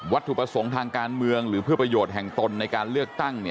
ถูกประสงค์ทางการเมืองหรือเพื่อประโยชน์แห่งตนในการเลือกตั้ง